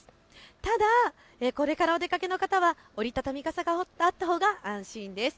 ただ、これからお出かけの方は折り畳み傘があったほうが安心です。